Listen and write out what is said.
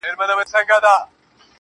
رپا د سونډو دي زما قبر ته جنډۍ جوړه كړه.